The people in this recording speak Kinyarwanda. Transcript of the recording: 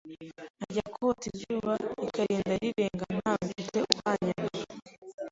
nkajya kota izuba rikarinda rirenga ntawe mfite uhanyanura